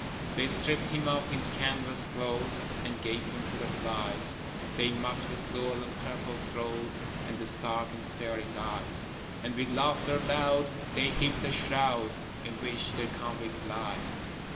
They stripped him of his canvas clothes, And gave him to the flies; They mocked the swollen purple throat And the stark and staring eyes: And with laughter loud they heaped the shroud In which their convict lies.